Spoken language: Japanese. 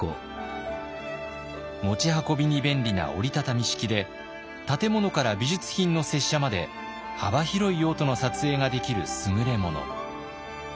持ち運びに便利な折り畳み式で建物から美術品の接写まで幅広い用途の撮影ができる優れ物。